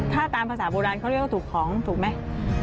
ถ้าตามภาษาโบราณเขาเรียกว่าถูกของถูกไหม